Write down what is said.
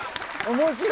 面白い。